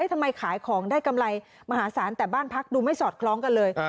ขายของได้กำไรมหาศาลแต่บ้านพักดูไม่สอดคล้องกันเลย